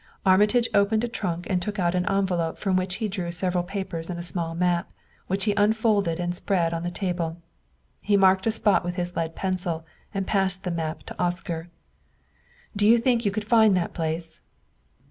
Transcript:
Armitage opened a trunk and took out an envelope from which he drew several papers and a small map, which he unfolded and spread on the table. He marked a spot with his lead pencil and passed the map to Oscar. "Do you think you could find that place?"